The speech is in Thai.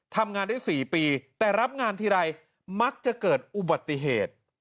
ทำงานได้๔ปีแต่รับงานทีไรมักจะเกิดอุบัติเหตุ